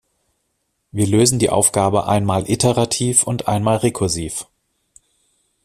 Wir lösen die Aufgabe einmal iterativ und einmal rekursiv.